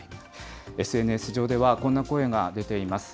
ＳＮＳ上ではこんな声が出ています。